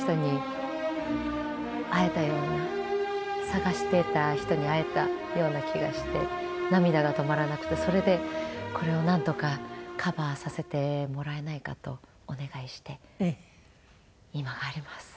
探していた人に会えたような気がして涙が止まらなくてそれでこれをなんとかカバーさせてもらえないかとお願いして今があります。